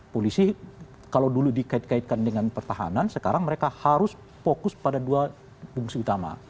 polisi kalau dulu dikait kaitkan dengan pertahanan sekarang mereka harus fokus pada dua fungsi utama